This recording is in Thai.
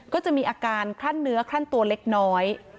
ก็จะมีอาการคลั่นเนื้อคลั่นตัวเล็กน้อย